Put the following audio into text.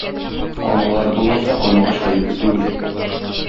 Алмалары булмаса, алмагач гаепле түгел.